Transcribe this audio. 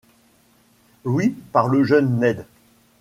Louis par le jeune Ned.